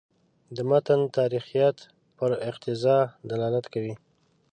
د متن تاریخیت پر اقتضا دلالت کوي.